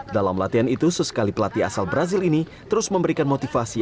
dalam latihan itu sesekali pelatih asal brazil ini terus memberikan motivasi